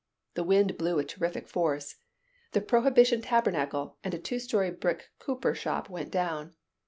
The wind blew with terrific force. The Prohibition Tabernacle and a two story brick cooper shop went down.